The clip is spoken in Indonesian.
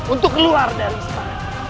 untuk keluar dari sana